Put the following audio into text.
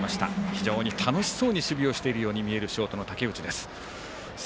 非常に楽しそうに守備をしているように見えるショートの竹内です。